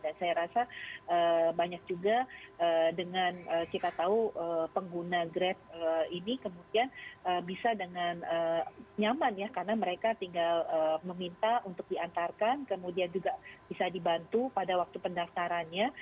dan saya rasa banyak juga dengan kita tahu pengguna grep ini kemudian bisa dengan nyaman ya karena mereka tinggal meminta untuk diantarkan kemudian juga bisa dibantu pada waktu pendaftarannya